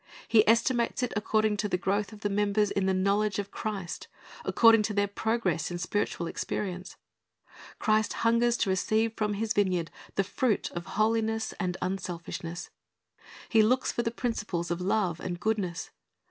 He estimates it according to the growth of the members in the knowledge of Christ, according to their progress in spiritual experience. Christ hungers to receive from His vineyard the fruit of holiness and unselfishness. He looks for the principles of love and goodness.